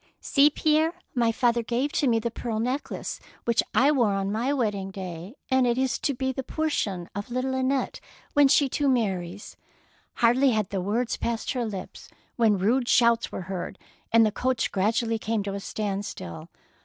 See, Pierre, my father gave to me 142 THE PEAEL NECKLACE the pearl necklace which I wore on my wedding day, and it is to be the por tion of little Annette, when she too marries/' Hardly had the words passed her lips, when rude shouts were heard, and the coach gradually came to a stand still.